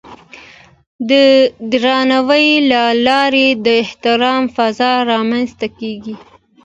د درناوي له لارې د احترام فضا رامنځته کېږي.